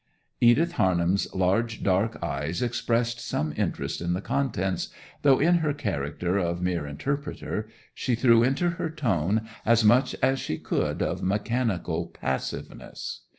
Edith Harnham's large dark eyes expressed some interest in the contents, though, in her character of mere interpreter, she threw into her tone as much as she could of mechanical passiveness.